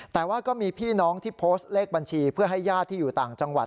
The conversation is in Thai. แต่ว่าก็มีพี่น้องที่โพสต์เลขบัญชีเพื่อให้ญาติที่อยู่ต่างจังหวัด